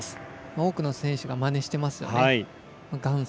多くの選手がまねしてますよね。